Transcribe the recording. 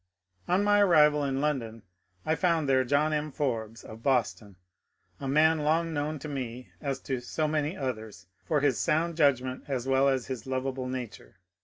On my arrival in London I found there John M. Forbes of Boston, a man long known to me as to so many others for his sound judgment as well as his lovable nature.